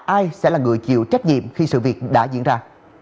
ai sẽ là người chịu trách nhiệm khi sự việc đã diễn ra